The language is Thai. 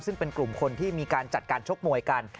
ซึ่งเป็นกลุ่มคนที่มีการจัดการชกมวยกัน